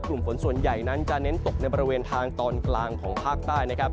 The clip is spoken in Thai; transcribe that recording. กลุ่มฝนส่วนใหญ่นั้นจะเน้นตกในบริเวณทางตอนกลางของภาคใต้นะครับ